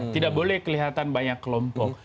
tidak boleh kelihatan banyak kelompok